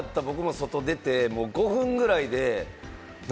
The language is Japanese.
外に出て５分ぐらいで、何？